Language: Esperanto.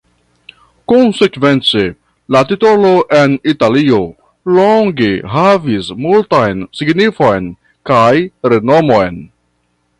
Konsekvence, la titolo en Italio longe havis altan signifon kaj renomon.